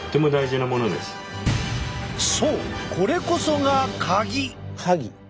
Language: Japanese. そうこれこそが鍵！